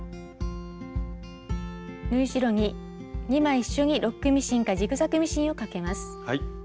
縫い代に２枚一緒にロックミシンかジグザグミシンをかけます。